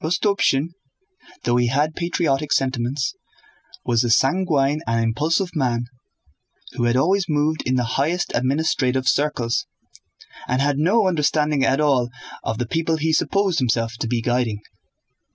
Rostopchín, though he had patriotic sentiments, was a sanguine and impulsive man who had always moved in the highest administrative circles and had no understanding at all of the people he supposed himself to be guiding.